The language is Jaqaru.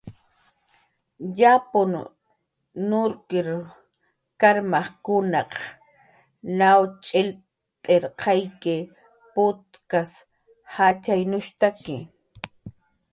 Yapn nurkir karmajkunaq naw ch'illtirqayk putak jatxyanushtaki